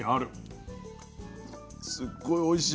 すっごいおいしい。